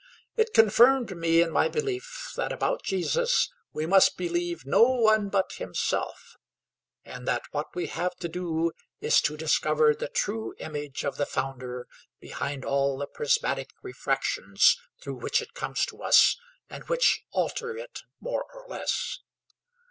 It confirmed me in my belief that about Jesus we must believe no one but Himself, and that what we have to do is to discover the true image of the Founder behind all the prismatic refractions through which it comes to us, and which alter it more or less.